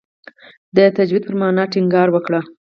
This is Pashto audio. د تجدید پر معنا ټینګار وکړي.